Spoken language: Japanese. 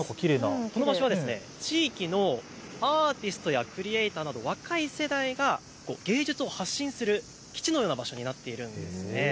この場所は地域のアーティストやクリエーターなど若い世代が芸術を発信する基地のような場所になっているんです。